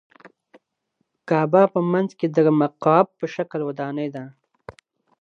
کعبه په منځ کې د مکعب په شکل ودانۍ ده.